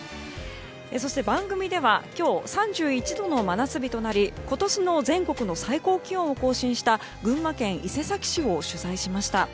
そして番組では今日、３１度の真夏日となり今年の全国の最高気温を更新した群馬県伊勢崎市を取材しました。